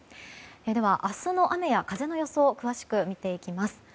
では明日の雨や風の予想を詳しく見ていきます。